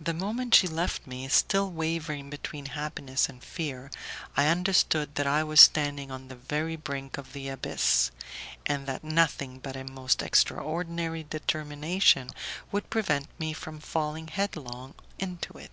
The moment she left me, still wavering between happiness and fear, I understood that I was standing on the very brink of the abyss, and that nothing but a most extraordinary determination could prevent me from falling headlong into it.